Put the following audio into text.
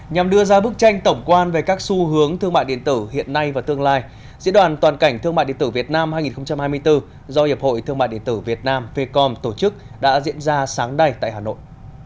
nhằm đưa ra bức tranh tổng quan về các xu hướng thương mại điện tử hiện nay và tương lai diễn đoàn toàn cảnh thương mại điện tử việt nam hai nghìn hai mươi bốn do hiệp hội thương mại điện tử việt nam fecom tổ chức đã diễn ra sáng đầy tại hà nội